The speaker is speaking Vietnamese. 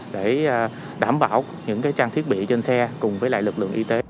để đảm bảo những trang thiết bị trên xe cùng với lực lượng y tế